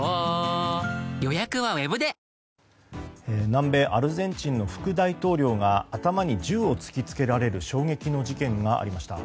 南米アルゼンチンの副大統領が頭に銃を突きつけられる衝撃の事件がありました。